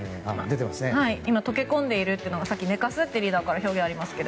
溶け込んでいるというのがさっき、寝かすとリーダーから表現がありましたが。